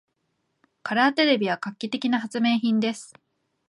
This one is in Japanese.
カラーテレビは画期的な発明品です。